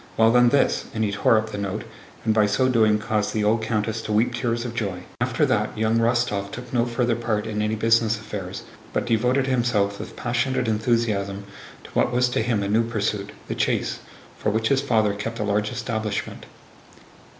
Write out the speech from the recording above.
Well then, this!" and he tore up the note, and by so doing caused the old countess to weep tears of joy. After that, young Rostóv took no further part in any business affairs, but devoted himself with passionate enthusiasm to what was to him a new pursuit—the chase—for which his father kept a large establishment.